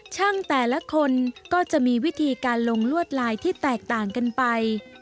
แต่ละคนก็จะมีวิธีการลงลวดลายที่แตกต่างกันไป